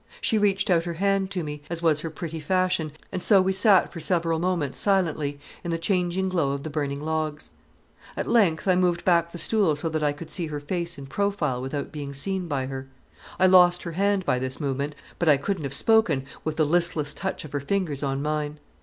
She reached out her hand to me, as was her pretty fashion, and so we sat for several moments silently in the changing glow of the burning logs. At length I moved back the stool so that I could see her face in profile without being seen by her. I lost her hand by this movement, but I couldn't have spoken with the listless touch of her fingers on mine.